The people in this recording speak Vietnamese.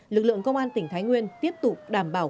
lực lượng công an tỉnh thái nguyên tiếp tục đảm bảo